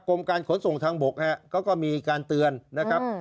กรมการขนส่งทางบกเขาก็มีการเตือนนะครับ